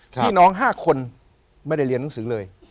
พี่น้อง๕คนไม่ได้เรียนหนังสือเลย